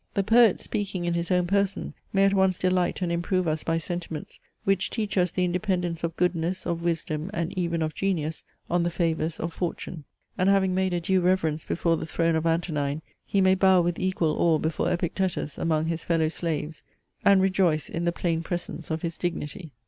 The Poet, speaking in his own person, may at once delight and improve us by sentiments, which teach us the independence of goodness, of wisdom, and even of genius, on the favours of fortune. And having made a due reverence before the throne of Antonine, he may bow with equal awe before Epictetus among his fellow slaves "and rejoice In the plain presence of his dignity."